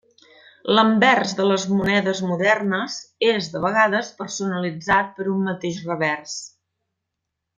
L'anvers de les monedes modernes és, de vegades, personalitzat per un mateix revers.